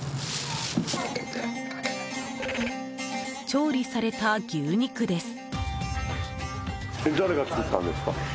調理された牛肉です。